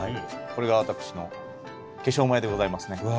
これが私の化粧前でございますね。